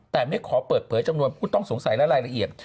แต่ไม่ขอเปิดเผยจำนวนผู้ต้องสงสัยและรายละเอียด